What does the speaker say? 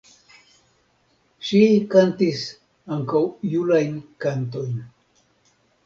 Ŝi kantis ankaŭ julajn kantojn.